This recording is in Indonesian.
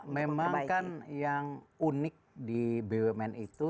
memang kan yang unik di bumn itu